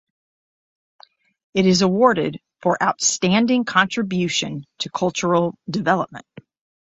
It is awarded for "outstanding contribution to cultural development".